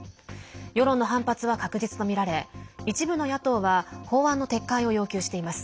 世論の反発は確実とみられ一部の野党は法案の撤回を要求しています。